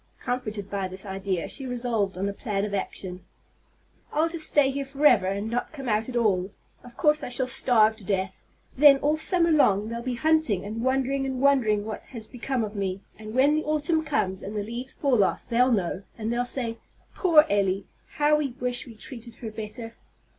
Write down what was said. Comforted by this idea, she resolved on a plan of action. "I'll just stay here forever, and not come out at all. Of course, I shall starve to death. Then, all summer long they'll be hunting, and wondering and wondering what has become of me; and when the autumn comes, and the leaves fall off, they'll know, and they'll say, 'Poor Elly! how we wish we'd treated her better!'"